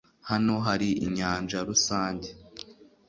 Hano hari inyanja rusange?